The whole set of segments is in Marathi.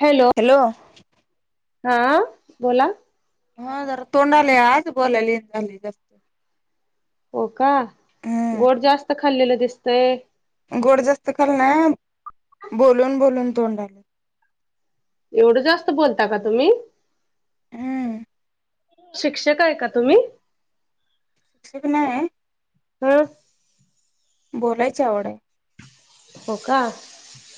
हॅलो. हॅलो. हा बोला. हा जरा तोंडाला आज बोलाली झाली ज. [unintelligible] हो का गोड हम्म जास्त खाल्लेलं दिसतय. गोड जास्त खलनाय बोलून बोलून तोंड आले. एवढं जास्त बोलता का तुम्ही. हम्म. शिक्षक आहे का तुम्ही? शिक्षक नाही हे. हम्म. बोलाय ची आवड हाय. हो का.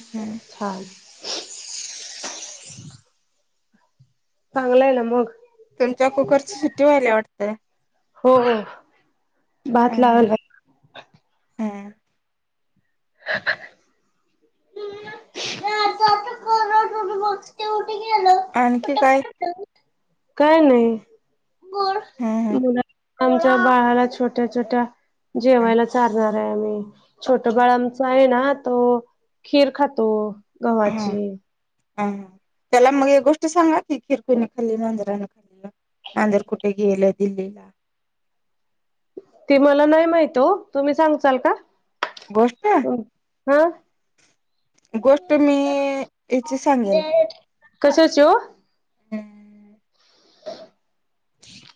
हम्म. हा. चांगलं हे ना मग. तुमच्या कुकरची शिट्टी व्हाय लया वाटतय. हो हो भात हम्म हम्म लावलाय हम्म [inaudible] [unintelligible] आणखी काय? काय नाही हम्म गोड आच्या बाळाला छोट्या छोट्या. हम्म जेवायला चालूयात. [unintelligible] नाही नाही छोट बाळ आमचं आहे ना, तो खीर खातो. गव्हाचे. हा त्याला ही गोष्ट सांगा की खिर कुनि खाल्ली मांजरान खाल्ल मांजर कुठं गेलं दिल्लीला. ते मला नाही माहित ओ तुम्ही सांगसाल का? गोष्ट. ह. गोष्ट मी याची सांगेन. [unintelligible] काशाची ओ.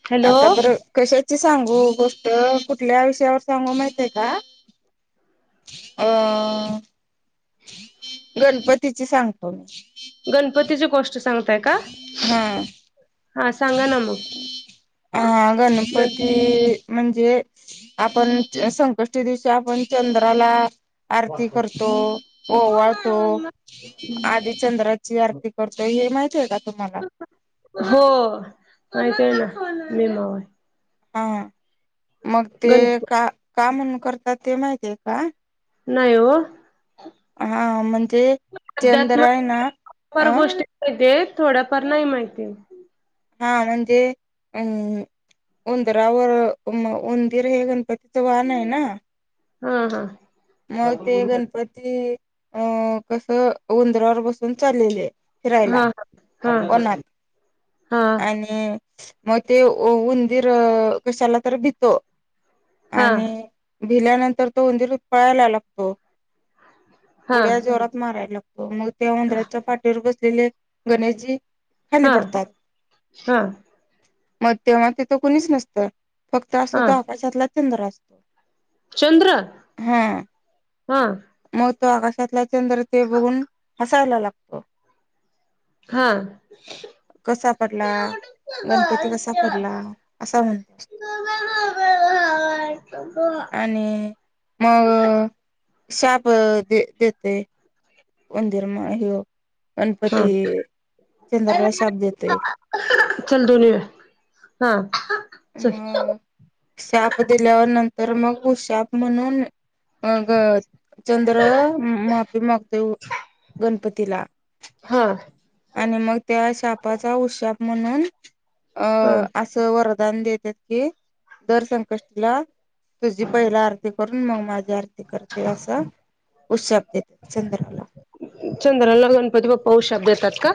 हॅलो आता बरं कशाची सांगू गोष्ट कुठल्या विषयावर सांगू माहित आहे का? अ. गणपतीची सांगतो मी. गणपतीची गोष्ट सांगताय का? हा हा सांगा ना मग हा गणपती गणपतीची म्हणजे. आपण संकष्टी दिवशी आपण चंद्राला. आरती करतो. ववाळतो आधी चंद्रत चीआरती करतोय हे माहतीय का तुम्हाला? हो माहित आहे ना, [unintelligible] मी मवाय. हा मग ते गणप का का म्हणून करतात ते माहितीय का. नाही हो. हा म्हणजे चंद्राय ना अ. माहीते ते थोड्याफार नाही माहिती ये. हा म्हणजे अंम्म. उंदरावर म उंदिर हे गणपतीचं वाहन हाय ना. हा हा. मग ते गणपती अं कसं उंदरावर बसून चाललेले ये. फिरायला हा हा वनात हा आणि मग ते उंदीर कशाला तर भितो हा आणि भिल्यानंतर तो उंदीर पळायला लागला खाऊन हा उड्या जोरात मारायला लागतो मग त्या उंदराच्या पाठीवर पाठीवर बसलेले गणेशजी खाली हा पडतात हा मग तेव्हा तिथं कोणीच नसतं फक्त असतो तो हा आकाशातला चंद्र चंद्र हा हा म तो आकाशातला चंद्र ते बघून हसायला लागतो हा कसा पडला हा. गणपती कसा पडला, असा म्हणतो असतो [unintelligible] जातोय आणि मग शाप दे देतोय उंदिर म ह गणपती चंद्राला शाप देतोय चल धूऊन येऊया हा चल मग शाप दिल्यावर नंतर मग शाप म्हणून मग चंद्र माफी मागतोय गणपतीला हा आणि मग त्या सापाचा उशाप म्हणून अ हा. असं वर दान देतात ते दर संकष्टीला तुझी पहिला आरती करून मग माझी आरती करते असं उत्साप देतात चंद्राला चंद्राला गणपती बापा क्षाप देतात का?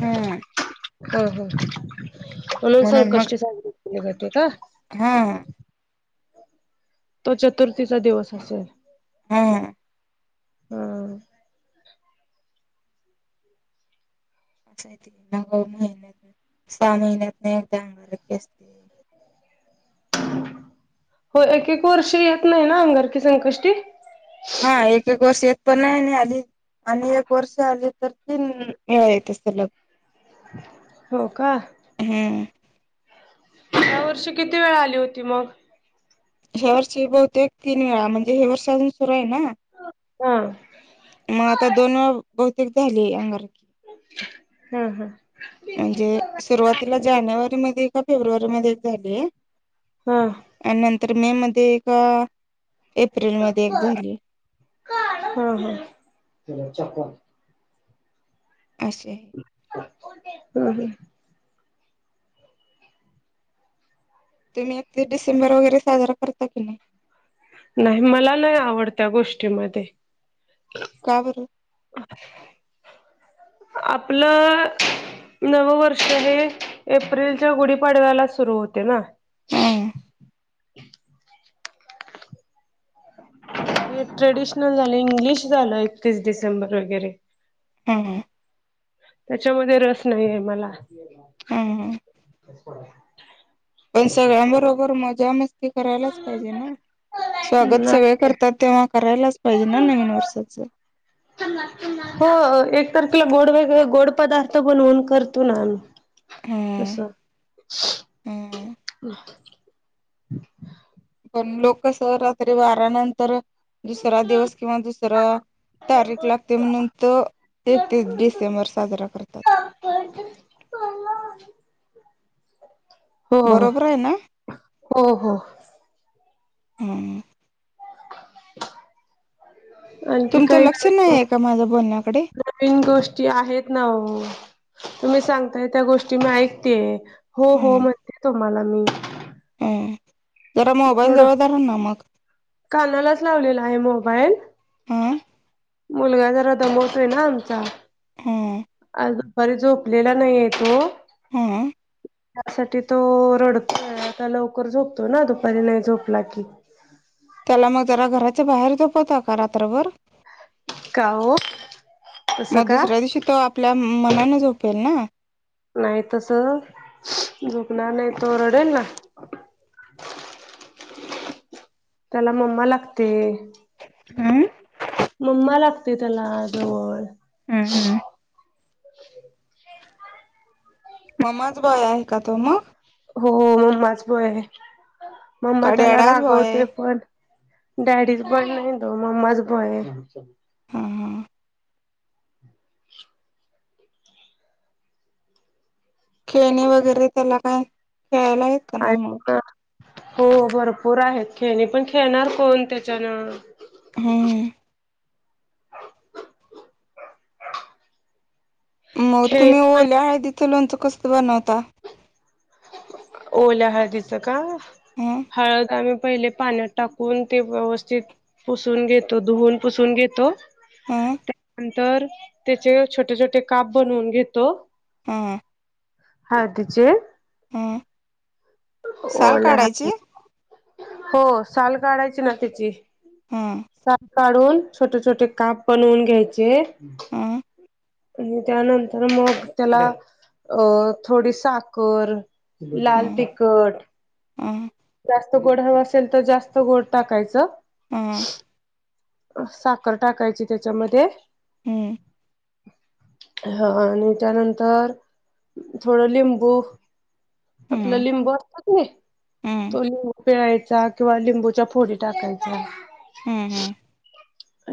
हूअ हा हो म्हणून संकष्टी साजरे केले जाते का हां तो चतुर्थीचा दिवस असेल हा हा हा. अस नग महिन्यात सहा महिन्यात नाही एकदा अंगणारारकी असते हो एक एक वर्ष येत नाही ना अंगारकी संकष्टी हा एक एक वर्ष येत पण नाही आणि आधी आणि एक वर्ष आली तर तीन वेळा येते सलग हो का हम्म या वर्षी किती वेळा आली होती मग ह्या वर्षी बहुते एक तीन वेळा म्हणजे हे वर्षी अजून सुरू आहे ना हा म आता दोन बहुतेक झाली अंगारकी हा हा म्हणजे सुरुवातीला जानेवारी मध्ये का फेब्रुवारी मध्ये झाले हा आणि नंतर मे मध्ये एक एप्रिल मध्ये एक झाली हम हं असे आहे हो हो तुम्ही आ डिसेंबर वगैरे साजरा करता की नाही नाही मला नाही आवडत्या गोष्टीमध्ये का बर [inaudible] [inaudible] आपलं. नव वर्ष हे एप्रिलच्या गुढीपाडव्याला सुरू होते ना हम ट्रेडिशनल झालं इंग्लिश झालं एकतीस डिसेंबर वगैरे हयू त्याच्यामध्ये रस नाहीय मला हम पण सगळ्यां बरोबर मजा म ते करायलाच पाहिजे ना स्वागत सगळे करतात तेव्हा करायलाच पाहिजे ना नवीन वर्षाचं हो एकत तला गोड वगर गोड पदार्थ बनवून करतो ना आम्ही तसं [inaudible] हयू हम पण लोक सह रात्री बारा नंतर दुसरा दिवस किंवा दुसरा तारीख लागते म्हणंत ते ते सेेमर साजरा करतात हो बरोबर आहे ना? हो हो हम आणखी तुमचं काही लक्षण नवीन आहे का माझं बोलण्याकडे नवीन गोष्टी आहेत ना तुम्ही सांगताय त्या गोष्टी मी ऐकते हो हो म्हणते तो मला मी अ जरा मोबाईल थोडं जवळदार ना मग कानालाच लावलेला आहे मोबाईल हं मुलगा जरा दमवतोय ना आमचा हं बर झोपलेला नाही आहे तो हा त्यासाठी तो रडतोय आता लवकर झोपतो ना दुपारी नाही झोपला की त्याला मग जरा घराच्या बाहेर झोपवता का रात्रभर का ओ तसं मग का दुसऱ्या दिवशी तो आपल्या मनान झोपेल ना नाही तस झुकणार नाही तो रडेल ना त्याला मम्मा लागते हं मम्मा लागते त्याला जवळ हां हां म्माच बाय आहे का तो मग हो मम्माच भय मम्मा का त्याला डॅडाच बॉय आहे रागवते पण डॅडीच बय नाही त मम्माच भय हां हां [inaudible] खेळणे वगैरे त्याला काय खेळायला येत का नाही म्हणून आणि हो भरपूर आहेत खेळणे पण खेळणार कोण त्याच्यानं हम् मग खेळणी तुम्ही पण ओल्या हळदीचं लोणचं कसं बनवता ओल्या हळदीच का हं हळद आम्ही पहिले पाण्यात टाकून ते व्यवस्थित पुसून घेतो धुवून पुसून घेतो हं त्यानंतर त्याचे छोटे छोटे काप बनवून घेतो हा. हा तिचे. हम्म. ओल्या हात नी, हो साल काढायची ना त्याची. हम्म. साग काढून छोटे-छोटे काप बनवून घ्यायचे. हं आणि त्यानंतर मग त्याला अ थोडी साखर, लाल तिखट हम्म. जास्त गोड हवा असेल तर जास्त गोड टाकायचं. हा. साखर टाकायची त्याच्यामध्ये. हं हा हा आणि त्यानंतर थोडं लिंबू आपला हं लिंबू असतात र हं तो लिंबू पिळायचा किंवा लिंबूच्या फोडी टाकायचा. हम्म हम्म.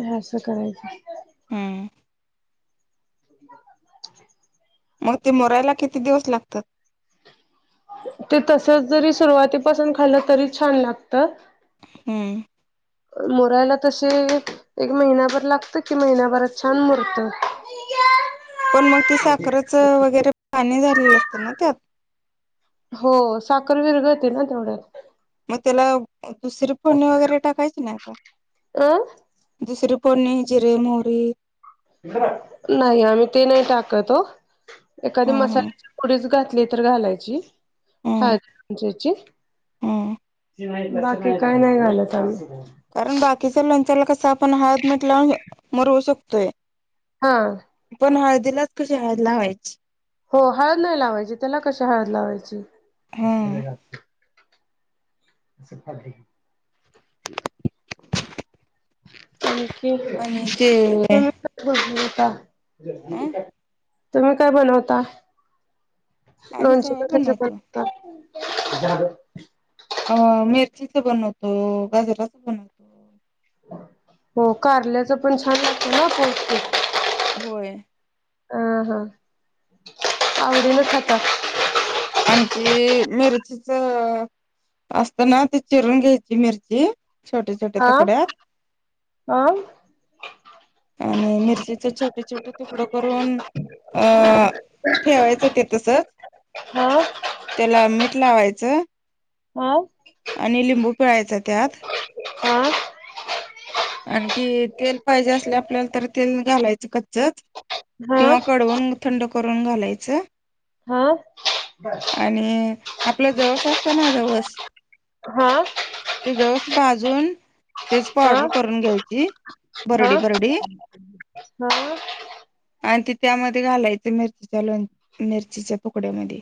हे असं करायचं. हम्म. [inaudible] मग ते मोरायला किती दिवस लागत. ते तसच जरी सुरुवातीपासून खाल्लं तरी छान लागत. हम्म. मोरायला तशे. एक महिनाभर लागत की महिनाभरात छान मुरत. पण मग ते साखरच वगैरे पाणी झालेलं असतं ना त्यात. हो साखर विरघळतेना तेवढ्यात. मग त्याला दुसर फोडणी वगैरे टाकायच नाही का? अं दुसरी फोडणी जिरे, मोरी. नाही आम्ही ते नाही टाकत ओ, एखाद्या हम्म मसाल्याच्या पुढेच घातले तर घालायची. हा हम्म ज्याची, हम्म बा की काय नाही झालं काम. कारण बाकीच्या लोणच्याला कसा आपण हळद, मीठ लावून मरवू शकतोय. हा. पण हळदीलाच कशी हळद लावायची. हो हळद नाही लावायची त्याला कशी हळद लावायची. हम्म [unintelligible] [unintelligible] [unintelligible] आणि ते अ तुम्ही काय बनवता? आम्ही लोणचं [unintelligible] सगळं बनवतो. अ मिरचीच बनवतो, गाजराच बनवतो. हो कारल्याच पण छान लागत ना पो [unintelligible] होय. अ हा आवडीन खाता. आणखी मिरचीच असतना ते चिरून घ्यायची मिरची. छोट्या-छोट्या हा तुकड्या. हा आणि मिरचीचे छोटे-छोटे तुकड करून अ ठेवायचं ते तसं. हा. त्याला मीठ लावायचं. हा. आणि लिंबू पिळायचा त्यात. हह. आणखी तेल पाहिजे असले आपल्याला तर तेल घालायचं कच्चच. हा किंवा कडवून थंड करून घालायचं. हा आणि आपलं जवस असत ना जवळस. हा. जवस भाजून तेच हा पावडर. करून घ्यायची बरडी बरडी. हम. आणि ते त्यामध्ये घालायचं मिरचीच्या लोण मिरचीच्या तुकड्यामध्ये.